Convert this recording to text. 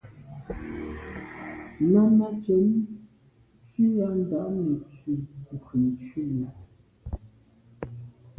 Náná cɛ̌d tswî á ndǎ’ nə̀ tswì ŋkʉ̀n shúnī.